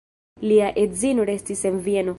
Lia edzino restis en Vieno.